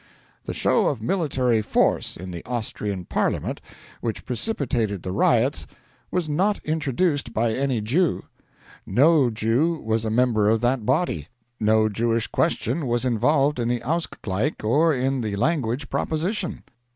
The show of military force in the Austrian Parliament, which precipitated the riots, was not introduced by any Jew. No Jew was a member of that body. No Jewish question was involved in the Ausgleich or in the language proposition.